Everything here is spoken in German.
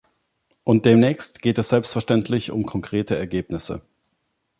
Und demnächst geht es selbstverständlich um konkrete Ergebnisse.